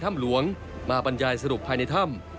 ถ้ำหลวงมาบรรยายสรุปภายในถ้ำ